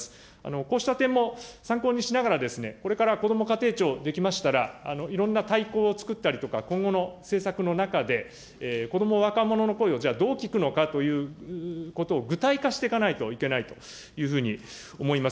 こうした点も参考にしながら、これからこども家庭庁出来ましたら、いろんな大綱を作ったりとか、今後の政策の中で、子ども・若者の声をどう聞くのかということを具体化していかないといけないというふうに思います。